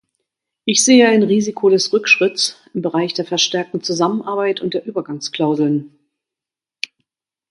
Ich sehe ein Risiko des Rückschritts im Bereich der verstärkten Zusammenarbeit und der Übergangsklauseln.